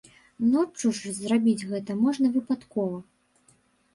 Ноччу ж зрабіць гэта можна выпадкова.